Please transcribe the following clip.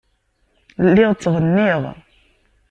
Lliɣ ttɣenniɣ.